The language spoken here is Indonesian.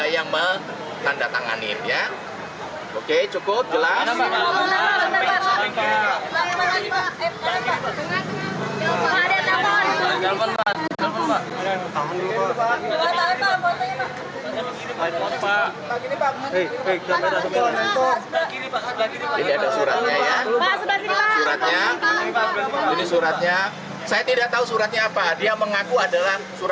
yang ngomongannya sendiri saya nggak tahu